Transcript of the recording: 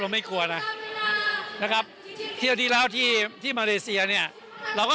ไม่กลัวนะนะครับเที่ยวที่แล้วที่ที่มาเลเซียเนี่ยเราก็